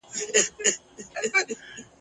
څوک د تورو له زخمونو پرزېدلي !.